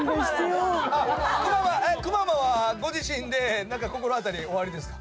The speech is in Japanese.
くままはご自身で何か心あたりおありですか？